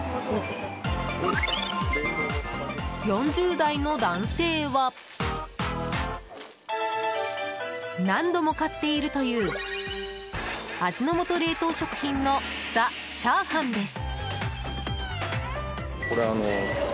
４０代の男性は何度も買っているという味の素冷凍食品のザ・チャーハンです。